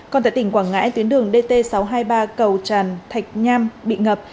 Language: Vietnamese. còn tại tỉnh quảng ngãi tuyến đường dt sáu trăm hai mươi ba cầu tràn thạch nham bị ngập